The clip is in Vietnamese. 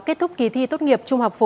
kết thúc kỳ thi tốt nghiệp trung học phổ